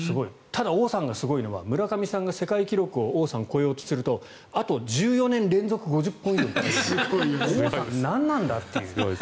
ただ、王さんがすごいのは村上さんが世界記録を超えようとするとあと１４年連続５０本以上という。